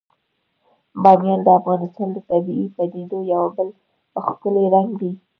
بامیان د افغانستان د طبیعي پدیدو یو بل ښکلی رنګ دی.